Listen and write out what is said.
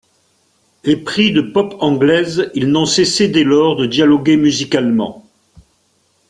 Épris de pop anglaise, ils n’ont cessé dès lors de dialoguer musicalement.